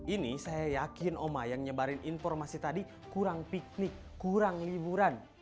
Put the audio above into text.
ini saya yakin oma yang nyebarin informasi tadi kurang piknik kurang liburan